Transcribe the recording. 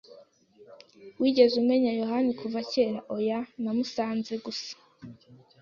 "Wigeze umenya yohani kuva kera?" "Oya, namusanze gusa."